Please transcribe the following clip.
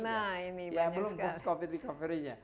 nah ini banyak sekali